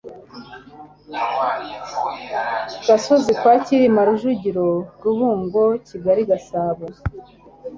Gasozi kwa Cyilima Rujugira Rubungo Kigali Gasabo